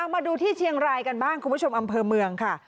มาดูที่เชียงรายกันบ้างคุณผู้ชมอำเภอเมืองค่ะ